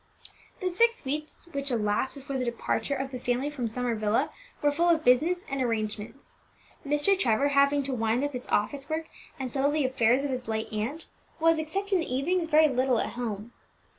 The six weeks which elapsed before the departure of the family from Summer Villa were full of business and arrangements. Mr. Trevor, having to wind up his office work, and settle the affairs of his late aunt, was, except in the evenings, very little at home.